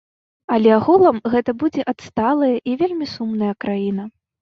Але агулам гэта будзе адсталая і вельмі сумная краіна.